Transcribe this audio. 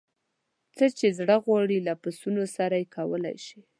څه یې زړه غواړي له پسونو سره یې کولای شي.